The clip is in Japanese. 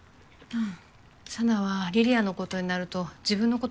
うん。